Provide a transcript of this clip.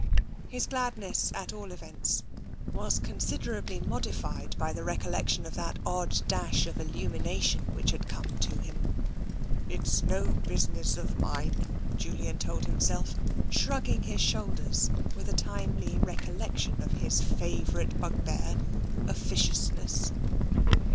His gladness, at all events, was considerably modi TENSION III fied by the recollection of that odd flash of illumination which had come to him. " It is no business of mine," Jul! in told himself, shrugging his shoulders with a timely recollection of his favourite bugbear, officiousness.